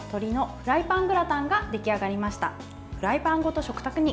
フライパンごと食卓に。